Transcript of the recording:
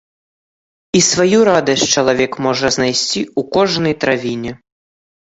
І сваю радасць чалавек можа знайсці ў кожнай травіне.